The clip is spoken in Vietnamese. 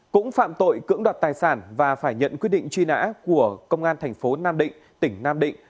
cũng phạm tội cưỡng đoạt tài sản và phải nhận quyết định truy nã của công an thành phố nam định tỉnh nam định